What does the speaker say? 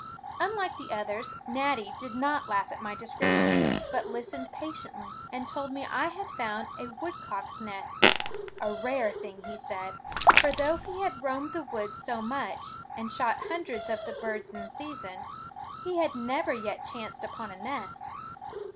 Unlike the others, Natty did not laugh at my description, but listened patiently and told me I had found a woodcock's nest, a rare thing, he said, for though he had roamed the woods so much, and shot hundreds of the birds in season, he had never yet chanced upon a nest.